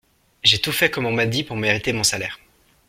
J’ai tout fait comme on m’a dit pour mériter mon salaire.